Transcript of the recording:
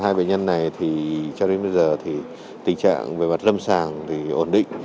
hai bệnh nhân này thì cho đến bây giờ thì tình trạng về mặt lâm sàng thì ổn định